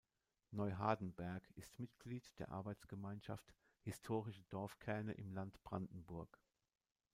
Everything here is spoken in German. Neuhardenberg ist Mitglied der Arbeitsgemeinschaft „Historische Dorfkerne im Land Brandenburg“.